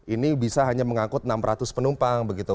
ini bisa hanya mengangkut enam ratus penumpang begitu